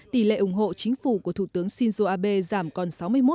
tỷ lệ ủng hộ chính phủ của thủ tướng shinzo abe giảm còn sáu mươi một chín